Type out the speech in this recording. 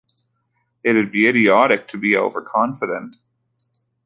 It'd be idiotic to be overconfident.